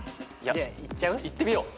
いってみよう。